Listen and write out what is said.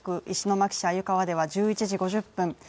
石巻市鮎川では１１時５０分